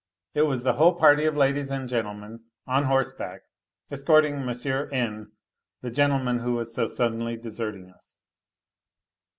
It was the whole party of ladies and gentlemen 01 horseback escorting N., the gentleman who was so Buddenl; deserting us.